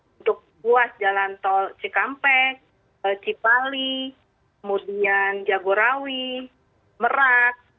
untuk ruas jalan tol cikampek cipali kemudian jagorawi merak